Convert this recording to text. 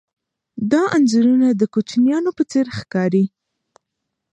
دا انځورونه د کوچنیانو په څېر ښکاري.